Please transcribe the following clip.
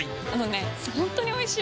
本当においしい！